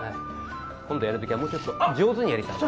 今度やる時はもうちょっと上手にやりたまえ。